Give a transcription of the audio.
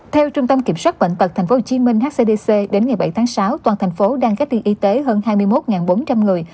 theo trung tâm kiểm soát bệnh tật tp hcm hcdc đến ngày bảy tháng sáu toàn thành phố đang cách ly y tế hơn hai mươi một bốn trăm linh người